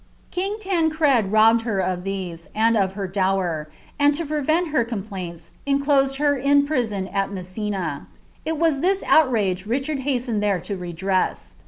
King Tancred robbed her of these, and of her dower : and, to pre mt her complaints, encloseil her in prison at Messina. It was this ntrage Richard hastened there to redress.